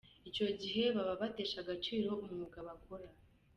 Icyo gihe baba batesha agaciro umwuga bakora.